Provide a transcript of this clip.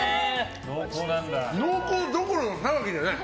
濃厚どころの騒ぎじゃない！